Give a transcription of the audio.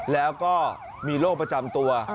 แล้วก็มีโรคประจำตัว